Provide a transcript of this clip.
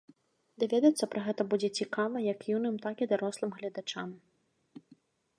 Даведацца пра гэта будзе цікава як юным, так і дарослым гледачам.